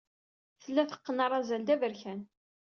Tella teqqen arazal d aberkan.